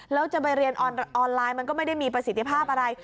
แล้วจะไปเรียนออนไลน์มันก็ไม่ได้มีประสิทธิภาพอะไร